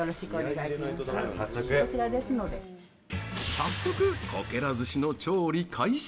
早速、こけら寿司の調理開始。